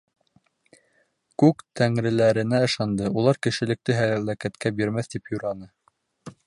Күк тәңреләренә ышанды, улар кешелекте һәләкәткә бирмәҫ, тип юраны.